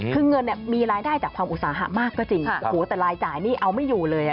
คือเงินเนี่ยมีรายได้จากความอุตสาหะมากก็จริงโอ้โหแต่รายจ่ายนี่เอาไม่อยู่เลยอ่ะ